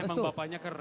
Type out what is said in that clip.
emang bapaknya keren